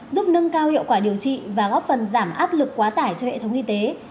giúp nâng cao hiệu quả điều trị và góp phần giảm áp lực quá tải cho hệ thống y tế